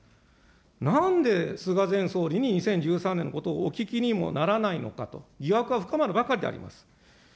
なんで菅前総理に２０１３年のことをお聞きにもならないのかと、疑惑は深まるばかりであります。